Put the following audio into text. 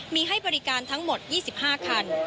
มีให้บริการทั้งหมด๒๕คัน